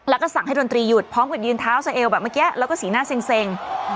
แล้วก็สั่งให้ดนตรีหยุดพร้อมกับยืนเท้าสะเอวแบบเมื่อกี้แล้วก็สีหน้าเซ็ง